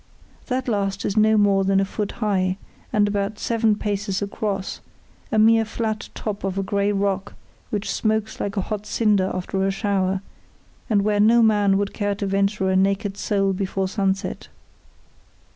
That last is no more than a foot high, and about seven paces across, a mere flat top of a grey rock which smokes like a hot cinder after a shower, and where no man would care to venture a naked sole before sunset.